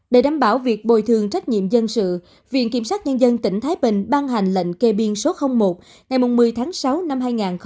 để đảm bảo việc bồi thường trách nhiệm dân sự viện kiểm sát nhân dân tỉnh thái bình ban hành lệnh kê biên số một ngày một mươi tháng sáu năm hai nghìn một mươi chín